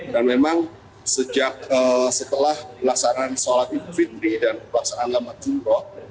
dan memang setelah pelaksanaan sholat ibu fitri dan pelaksanaan alamat jumrah